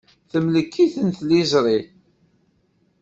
Temlek-iken tliẓri.